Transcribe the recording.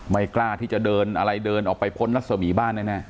ไม่กล้าที่จะเดินอะไรเดินออกไปพ้นรัศมีบ้านแน่